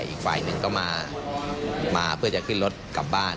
อีกฝ่ายหนึ่งก็มาเพื่อจะขึ้นรถกลับบ้าน